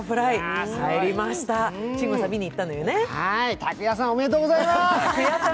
拓哉さん、おめでとうございます。